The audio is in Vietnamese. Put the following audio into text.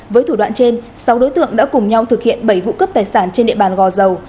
với thủ đoạn trên sáu đối tượng đã cùng nhau thực hiện bảy vụ cướp tài sản trên địa bàn gò dầu